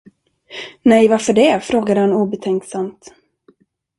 Nej, varför det? frågade han obetänksamt.